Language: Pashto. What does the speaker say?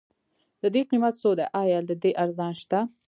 ددې قيمت څو دی؟ ايا له دې ارزان شته؟